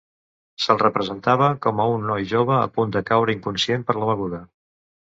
Se'l representava com a un noi jove a punt de caure inconscient per la beguda.